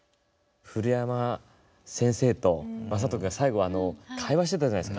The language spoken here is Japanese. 古山先生と、まさと君が最後、会話してたじゃないすか。